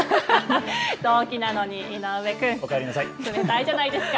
同期なのに井上君、冷たいじゃないですか。